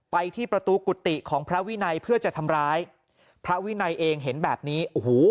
ไปที่ประตูกุฏิของพระวินัยเพื่อจะทำร้ายพระวินัยเองเห็นแบบนี้โอ้โห